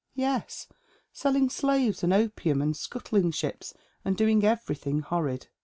" Yes, selling slaves, and opium, and scuttling ships, and doing everything horrid."